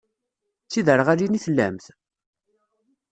D tiderɣalin i tellamt?